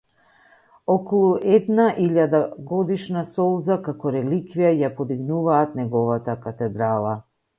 Околу една илјадагодишна солза, како реликвија, ја подигнуваат неговата катедрала.